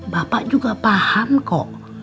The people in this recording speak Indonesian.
bapak juga paham kok